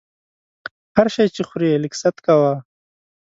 هر شی چې خورې لږ ست کوه!